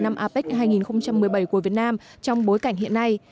năm apec hai nghìn một mươi bảy của việt nam trong bối cảnh hiện nay